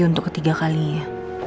untuk ketiga kalinya